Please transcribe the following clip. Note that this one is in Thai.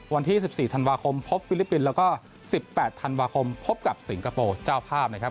วันที่๑๔ธันวาคมพบฟิลิปปินส์แล้วก็๑๘ธันวาคมพบกับสิงคโปร์เจ้าภาพนะครับ